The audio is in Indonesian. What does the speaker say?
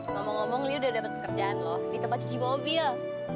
ngomong ngomong li udah dapet pekerjaan lo di tempat cuci mobil